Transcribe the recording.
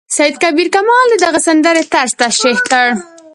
سید کبیر کمال د دغې سندرې طرز تشریح کړ.